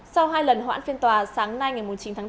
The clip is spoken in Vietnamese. sau hai lần hoãn phiên tòa sáng nay ngày chín tháng bốn